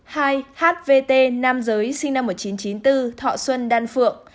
hai hvt nam giới sinh năm một nghìn chín trăm chín mươi bốn thọ xuân đan phượng